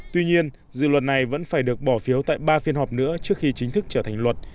tuy nhiên dự luật này vẫn phải được bỏ phiếu tại ba phiên họp nữa trước khi chính thức trở thành luật